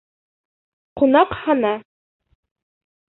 «Ҡунаҡхана»...